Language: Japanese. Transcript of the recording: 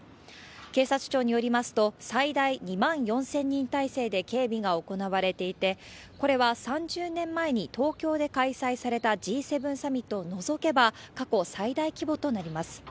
警察庁によりますと、最大２万４０００人態勢で警備が行われていて、これは３０年前に東京で開催されたＧ７サミットを除けば、過去最大規模となります。